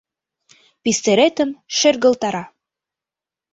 Пистеретым шергылтара.